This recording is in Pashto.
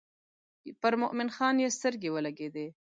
پر مومن خان یې سترګې ولګېدې.